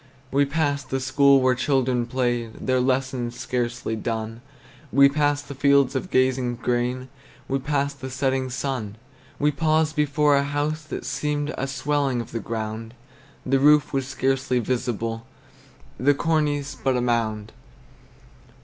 We passed the school where children played, Their lessons scarcely done; We passed the fields of gazing grain, We passed the setting sun. We paused before a house that seemed A swelling of the ground; The roof was scarcely visible, The cornice but a mound.